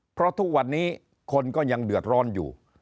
เพราะทุกวันนี้คนก็ยังเดือดร้อนอยู่